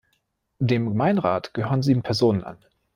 Dem Gemeinderat gehören sieben Personen an.